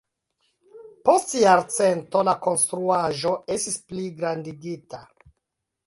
Post jarcento la konstruaĵo estis pligrandigita.